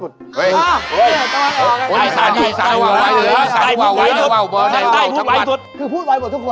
จับข้าว